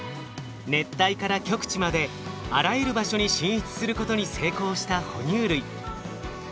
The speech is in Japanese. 熱帯から極地まであらゆる場所に進出することに成功した哺乳類。